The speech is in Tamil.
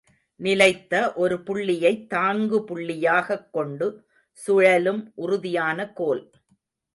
நிலைத்த ஒரு புள்ளியைத் தாங்கு புள்ளியாகக் கொண்டு சுழலும் உறுதியான கோல்.